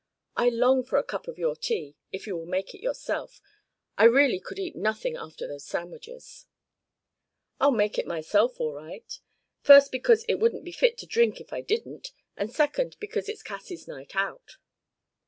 "I long for a cup of your tea if you will make it yourself. I really could eat nothing after those sandwiches." "I'll make it myself, all right. First because it wouldn't be fit to drink if I didn't, and second because it's Cassie's night out."